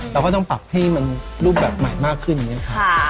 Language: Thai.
เราก็ต้องปรับให้มันรูปแบบใหม่มากขึ้นอย่างนี้ครับ